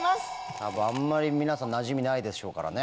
多分あんまり皆さんなじみないでしょうからね。